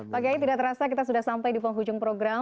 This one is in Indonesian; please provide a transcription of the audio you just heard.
pak kiai tidak terasa kita sudah sampai di penghujung program